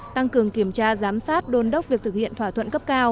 tăng cường kiểm tra giám sát đôn đốc việc thực hiện thỏa thuận cấp cao